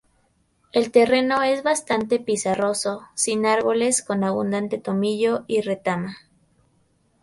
El terreno es bastante pizarroso, sin árboles, con abundante tomillo y retama.